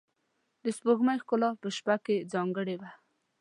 د سپوږمۍ ښکلا په شپه کې ځانګړې وه.